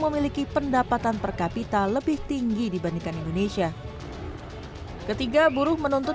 memiliki pendapatan per kapita lebih tinggi dibandingkan indonesia ketiga buruh menuntut